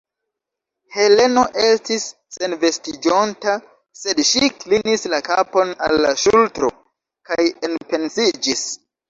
Heleno estis senvestiĝonta, sed ŝi klinis la kapon al la ŝultro kaj enpensiĝis.